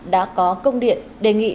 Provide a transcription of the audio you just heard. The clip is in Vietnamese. đã có công điện đề nghị